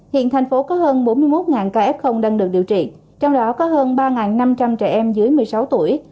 hiện thành phố có hơn bốn mươi một ca f đang được điều trị trong đó có hơn ba năm trăm linh trẻ em dưới một mươi sáu tuổi